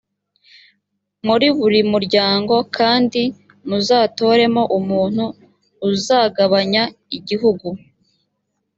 muri buri muryango kandi muzatoremo umuntu uzagabanya igihugu.